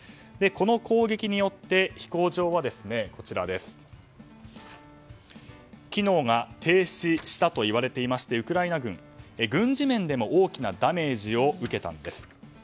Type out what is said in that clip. この攻撃によって飛行場は機能が停止したといわれていましてウクライナ軍軍事面でも大きなダメージを受けたんです。